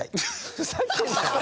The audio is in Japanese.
ふざけんなよ！